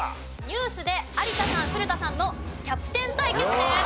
ニュースで有田さん古田さんのキャプテン対決です。